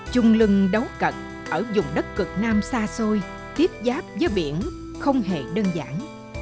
trung lưng đấu cận ở dùng đất cực nam xa xôi tiếp giáp với biển không hề đơn giản